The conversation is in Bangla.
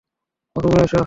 ওর রুমে এসো।